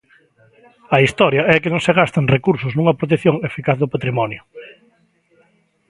A historia é que non se gastan recursos nunha protección eficaz do patrimonio.